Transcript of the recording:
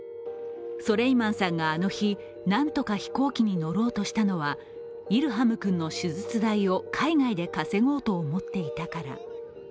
ソレイマンさんがあの日、なんとか飛行機に乗ろうとしたのはイルハム君の手術費を海外で稼ごうと思っていたから。